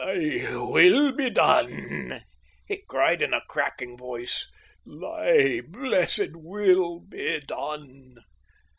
"Thy will be done!" he cried in a cracking voice. "Thy blessed will be done!"